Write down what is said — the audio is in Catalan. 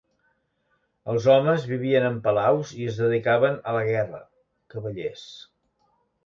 Els homes vivien en palaus i es dedicaven a la guerra, cavallers.